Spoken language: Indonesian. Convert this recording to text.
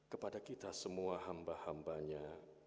kepada kita semua hamba hambanya